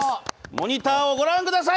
モニターをご覧ください！